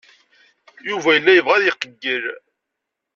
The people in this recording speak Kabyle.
Yuba yella yebɣa ad iqeyyel.